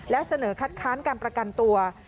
แล้วเสนอคัดค้านการประกันตัว